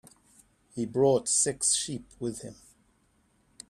He brought six sheep with him.